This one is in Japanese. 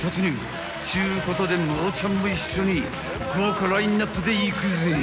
ことでムロちゃんも一緒に豪華ラインアップでいくぜよ］